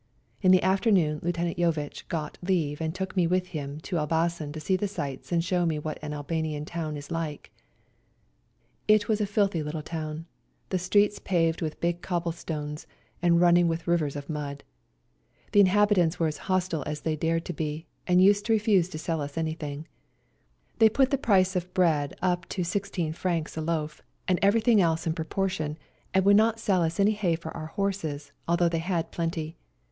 In the afternoon Lieut. Jovitch got leave and took me with him to Elbasan to see the sights and show me what an Albanian town is like. It was a filthy little town ; the streets paved with big cobble stones and running 148 AN ENGLISH WOMAN SERGEANT IN SERBIA THE AUTHOR IN KHAKI Page 148 i ELBASAN 149 rivers of mud. The inhabitants were as hostile as they dared to be, and used to refuse to sell us anything. They put the price of bread up to Frs. 16 a loaf, and everything else in proportion, and would not sell us any hay for our horses, although they had plenty.